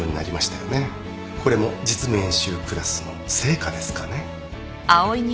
これも実務演習クラスの成果ですかね。